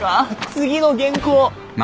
次の原稿！